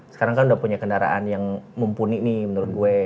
sekarang kan udah punya kendaraan yang mumpuni nih menurut gue